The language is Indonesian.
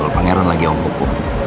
pangeran lagi om buku